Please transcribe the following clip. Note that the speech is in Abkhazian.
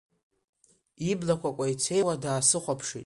Иблақәа кәеицеиуа даасыхәаԥшит.